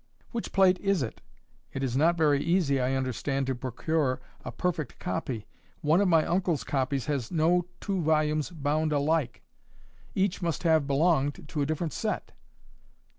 "Which plate is it? It is not very easy, I understand, to procure a perfect copy. One of my uncle's copies has no two volumes bound alike. Each must have belonged to a different set."